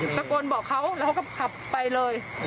ตะโกนบอกเขาแล้วเขาก็ขับไปเลย